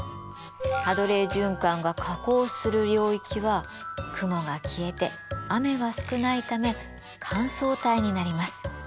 ハドレー循環が下降する領域は雲が消えて雨が少ないため乾燥帯になります。